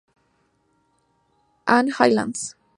Ann Highlands.